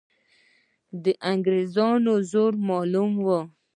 د انګریزانو زور معلوم وو.